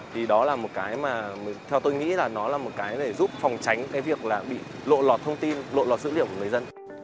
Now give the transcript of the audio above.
thì đó là một cái mà theo tôi nghĩ là nó là một cái để giúp phòng tránh cái việc là bị lộ lọt thông tin lộ lọt dữ liệu của người dân